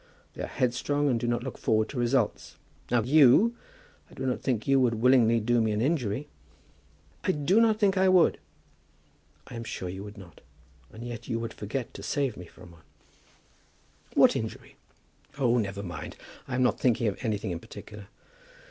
They are headstrong and do not look forward to results. Now you, I do not think you would willingly do me an injury?" "I do not think I would." "I am sure you would not; but yet you would forget to save me from one." "What injury?" "Oh, never mind. I am not thinking of anything in particular.